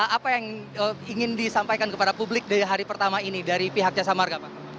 apa yang ingin disampaikan kepada publik di hari pertama ini dari pihak jasa marga pak